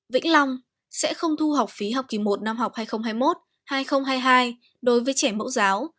vĩnh long sẽ không thu học phí học kỳ một năm học hai nghìn hai mươi một hai nghìn hai mươi hai đối với trẻ mẫu giáo